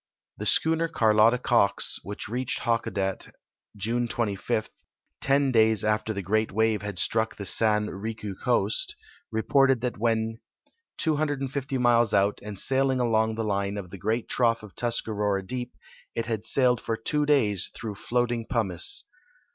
The schooner OirloUa Cox, winch reached Hakodate June 25, ten days after the gr(;at wave had struck the San Rilai coast, reported that when 2 50 miles out and sailing along the line of the great trough of Tuscarora deej) it had sailed for two days through floating pumice.